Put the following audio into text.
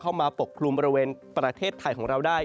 เข้ามาปกกลุ่มบริเวณประเทศไทยของเราได้